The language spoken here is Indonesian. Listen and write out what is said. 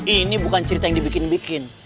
ini bukan cerita yang dibikin bikin